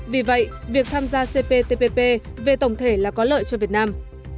vì vậy việc tham gia cptpp về tổng thể là có lợi cho việt nam